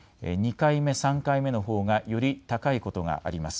２回目、３回目のほうがより高いことがあります。